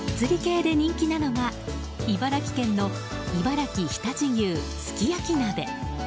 がっつり系で人気なのが茨城県の茨城常陸牛すき焼き鍋。